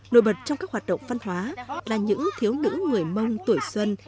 nổi bật trong các hoạt động văn hóa là những thiếu nữ người mông tuổi xuân